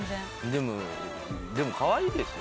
でもでもかわいいですよ。